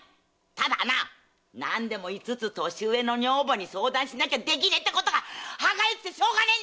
ただな何でも五つ年上の女房に相談しなきゃできねってことが歯がゆくってしょうがねえ‼